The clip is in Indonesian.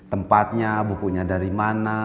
tempatnya bukunya dari mana